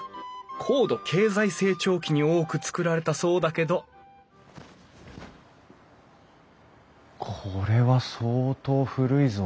高度経済成長期に多く造られたそうだけどこれは相当古いぞ。